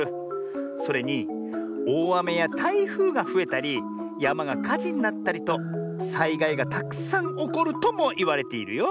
それにおおあめやたいふうがふえたりやまがかじになったりとさいがいがたくさんおこるともいわれているよ。